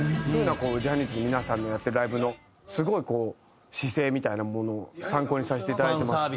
そういうのはジャニーズの皆さんのやってるライブのすごいこう姿勢みたいなものを参考にさせていただいてます。